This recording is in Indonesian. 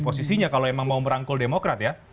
posisinya kalau memang mau merangkul demokrat ya